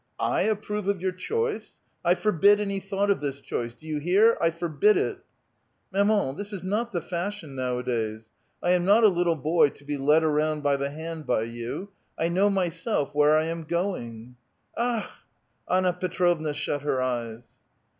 '/ ap prove of your choice* ! I forbid any thought of this choice 1 Do vou hear? I forbid it !"" Mamauy this is not the fashion nowadays; I am not a little boy to ])e lead around by the hand by you. I know myself where I am going." '* Akh! " Anna Tetrovna shut her eyes.